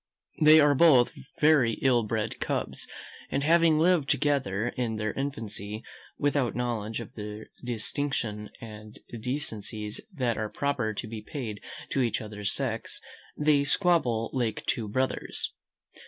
They are both very ill bred cubs; and having lived together from their infancy, without knowledge of the distinctions and decencies that are proper to be paid to each other's sex, they squabble like two brothers.